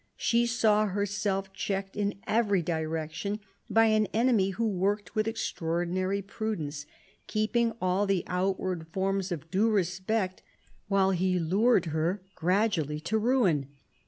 She saw herself checked in every direction by an enemy who worked with extraordinary prudence, keeping all the outward forms of due respect while he lured her gradually to ruin.